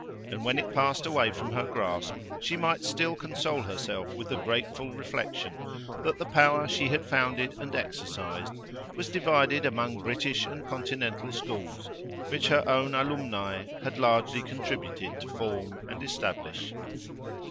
And when it passed away from her grasp, she might still console herself with the grateful reflection that the power she had founded and exercised, was divided among British and continental schools, which her own alumni had largely contributed to form and establish.